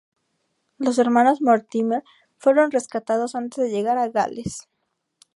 Los hermanos Mortimer fueron rescatados antes de llegar a gales.